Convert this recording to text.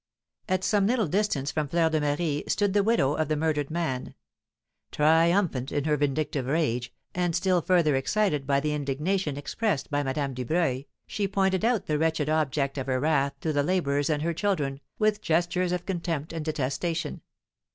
At some little distance from Fleur de Marie stood the widow of the murdered man. Triumphant in her vindictive rage, and still further excited by the indignation expressed by Madame Dubreuil, she pointed out the wretched object of her wrath to the labourers and her children, with gestures of contempt and detestation.